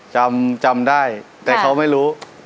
จำจำได้แต่เขาไม่รู้